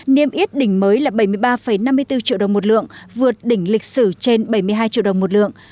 niêm yết đỉnh mới là bảy mươi ba năm mươi bốn triệu đồng một lượng vượt đỉnh lịch sử trên bảy mươi hai triệu đồng một lượng